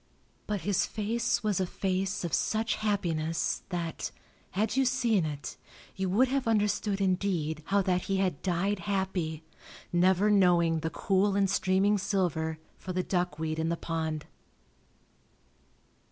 But his face was a face of such happiness that, had you seen it, you would have understood indeed how that he had died happy, never knowing the cool and streaming silver for the duckweed in the pond.